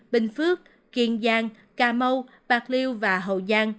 bình phước kiên giang cà mâu bạc liêu và hồ